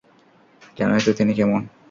জানোই তো তিনি কেমন।